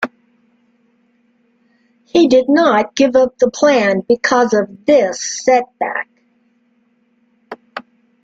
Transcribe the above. He did not give up the plan because of this setback.